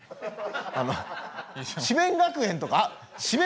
あの智弁学園とか智弁